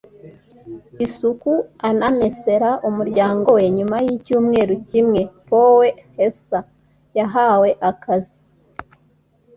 isuku anamesera umuryango we Nyuma y icyumweru kimwe Poe Hser yahawe akazi